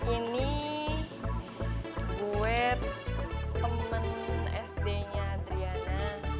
ini gue temen sd nya adriana